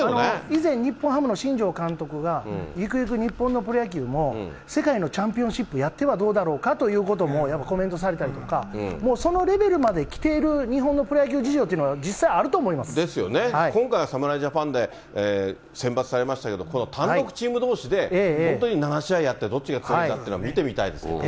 以前、日本ハムの新庄監督が、ゆくゆく日本のプロ野球も、世界のチャンピオンシップやってはどうかだろうかというコメントされたりとか、もうそのレベルまで来ている日本のプロ野球事情と今回は侍ジャパンで選抜されましたけども、この単独チームどうしで、本当に７試合やってどっちが勝つかというの見てみたいですね。